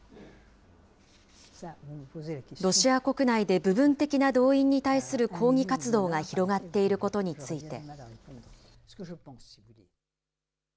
ロシア国内で部分的な動員に対する抗議活動が広がっていることについて。